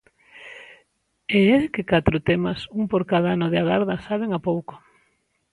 E é que catro temas, un por cada ano de agarda, saben a pouco.